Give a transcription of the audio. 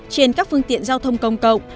trên các phương tiện giao thông công cộng